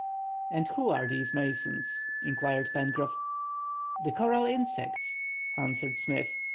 "And who are these masons?" inquired Pencroff. "The coral insects," answered Smith.